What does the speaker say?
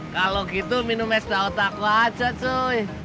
kalau gitu minum es daun tak wajat suy